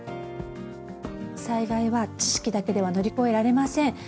災害は知識だけでは乗り越えられません。